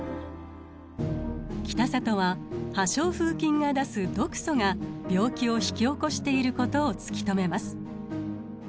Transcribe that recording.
北里は破傷風菌が出す毒素が病気を引き起こしていることを突き止めます。